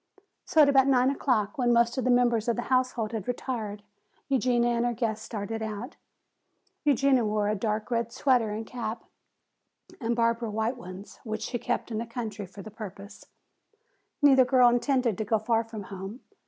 So at about nine o'clock, when most of the members of the household had retired, Eugenia and her guest started out. Eugenia wore a dark red sweater and cap and Barbara white ones, which she kept in the country for the purpose. Neither girl intended to go far from home.